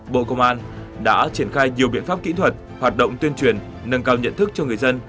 bộ công an đã triển khai nhiều biện pháp kỹ thuật hoạt động tuyên truyền nâng cao nhận thức cho người dân